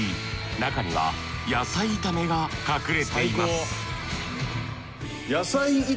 中には野菜炒めが隠れています